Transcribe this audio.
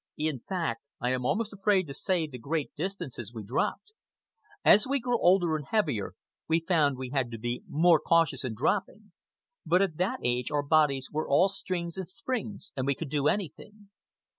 In fact, I am almost afraid to say the great distances we dropped. As we grew older and heavier we found we had to be more cautious in dropping, but at that age our bodies were all strings and springs and we could do anything.